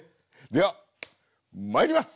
ではまいります！